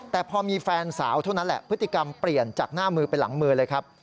แต่พอมีแฟนสาวเท่านั้นแหละพฤติกรรมเปลี่ยนจากหน้ามือไปหลังมือเลยครับ